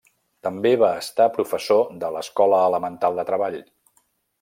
També va estar professor de l'Escola Elemental de Treball.